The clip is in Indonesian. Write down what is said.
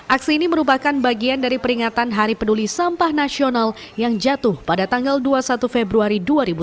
aksi ini merupakan bagian dari peringatan hari peduli sampah nasional yang jatuh pada tanggal dua puluh satu februari dua ribu dua puluh